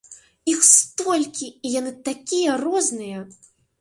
Іх столькі, і яны такія розныя!